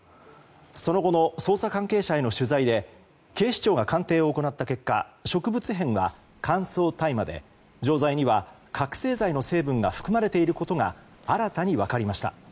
その後の捜査関係者への取材で警視庁が鑑定を行った結果植物片は乾燥大麻で錠剤には覚醒剤の成分が含まれていることが新たに分かりました。